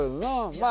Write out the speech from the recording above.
まあ